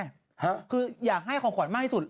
คืออยากให้ของขวัญมากที่สุด